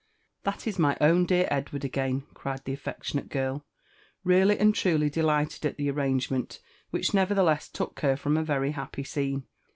"That is my own dear Edward again!" cried the affeclionale girl, really and truly delighted at the arrangement, which nevertheless took her from a very happy scene.